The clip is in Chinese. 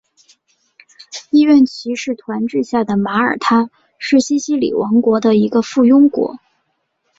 医院骑士团治下的马耳他是西西里王国的一个附庸国。